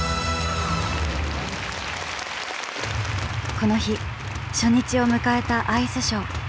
この日初日を迎えたアイスショー。